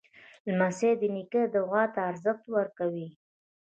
لمسی د نیکه دعا ته ارزښت ورکوي.